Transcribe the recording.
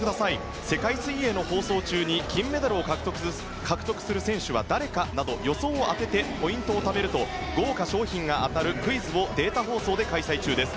世界水泳の放送中に金メダルを獲得する選手は誰かなど予想を当ててポイントをためると豪華賞品が当たるクイズをデータ放送で開催中です。